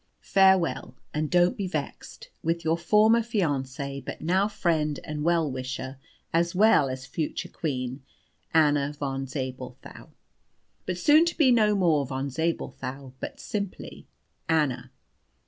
Farewell, and don't be vexed with "Your former fiancée, but now friend and well wisher, as well as future Queen, "ANNA VON ZABELTHAU. "(but soon to be no more Von Zabelthau, but simply ANNA.)